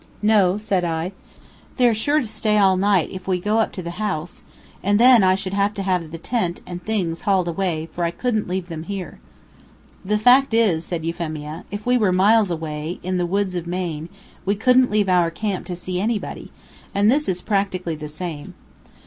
"No," said I. "They're sure to stay all night if we go up to the house, and then I should have to have the tent and things hauled away, for I couldn't leave them here." "The fact is," said Euphemia, "if we were miles away, in the woods of Maine, we couldn't leave our camp to see anybody. And this is practically the same."